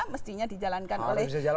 mestinya dijalankan oleh bnn